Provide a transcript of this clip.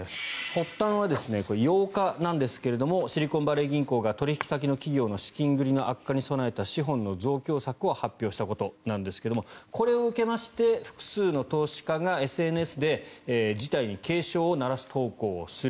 発端は８日なんですがシリコンバレー銀行が取引先の企業の資金繰りの悪化に備えた資本の増強策を発表したことなんですがこれを受けまして複数の投資家がＳＮＳで事態に警鐘を鳴らす投稿をする。